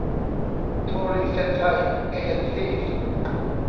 โทรีเซนไทย เอเยนต์ซีส์